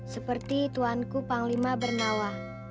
seperti tuanku panglima bernawa